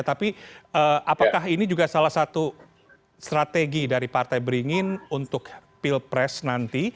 tapi apakah ini juga salah satu strategi dari partai beringin untuk pilpres nanti